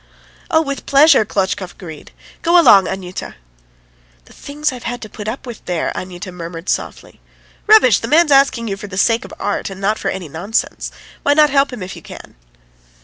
"Oh, with pleasure," Klotchkov agreed. "Go along, Anyuta." "The things I've had to put up with there," Anyuta murmured softly. "Rubbish! The man's asking you for the sake of art, and not for any sort of nonsense. Why not help him if you can?"